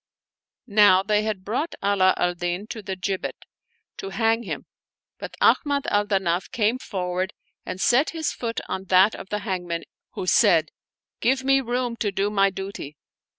Now they had brought Ala al Din to the gibbet, to hang him, but Ahmad al Danaf came forward and set his foot on that of the hangman, who said, " Give me room to do my duty."